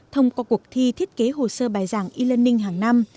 thông qua cuộc thi thiết kế hồ sơ bài giảng e learning hàng năm